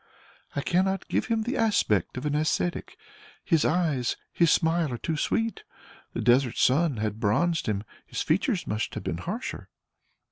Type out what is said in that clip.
"I cannot give him the aspect of an ascetic; his eyes, his smile are too sweet; the desert sun had bronzed him, his features must have been harsher."